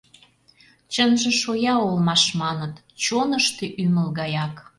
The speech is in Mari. Чынже шоя улмаш, маныт, — чонышто ӱмыл гаяк.